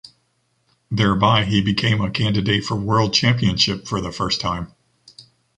Thereby he became a candidate for world championship for the first time.